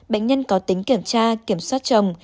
bệnh nhân có tính kiểm tra kiểm soát chồng